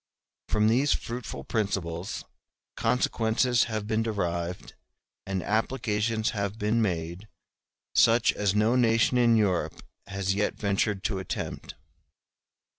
From these fruitful principles consequences have been derived and applications have been made such as no nation in Europe has yet ventured to attempt.